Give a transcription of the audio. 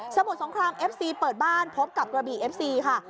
มุดสงครามเอฟซีเปิดบ้านพบกับกระบี่เอฟซีค่ะ